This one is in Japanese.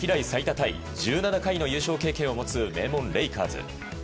タイ１７回の優勝経験を持つ名門レイカーズ。